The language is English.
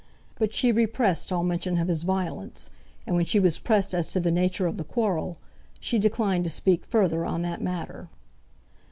But she repressed all mention of his violence, and when she was pressed as to the nature of the quarrel, she declined to speak further on that matter.